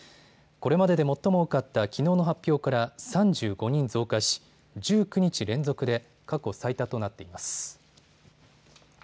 これまでで最も多かったきのうの発表から３５人増加し１９日連続で過去最多となっています。